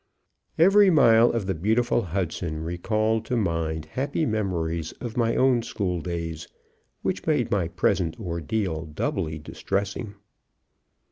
Every mile of the beautiful Hudson recalled to mind happy memories of my own school days, which made my present ordeal doubly distressing.